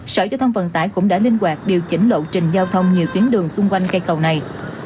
sở giao thông vận tải cũng đã linh hoạt điều chỉnh lộ trình giao thông nhiều tuyến đường xung quanh cây cầu này